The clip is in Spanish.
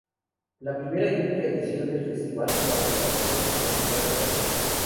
Primera y única edición del festival con participación en la ciudad de Cali.